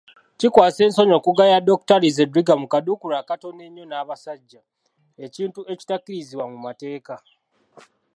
Kikwasa ensonyi okuggalira Dokitaali Zedriga mu kaduukulu akatono ennyo n'abasajja, ekintu ekitakkirizibwa mu mateeka.